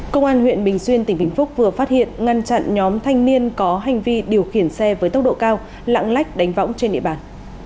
công an huyện bình xuyên tỉnh bình phước vừa phát hiện ngăn chặn nhóm thanh niên có hành vi điều khiển xe với tốc độ cao lạng lách đánh võng trên địa bàn